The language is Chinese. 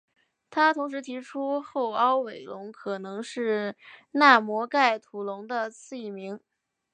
他同时提出后凹尾龙可能是纳摩盖吐龙的次异名。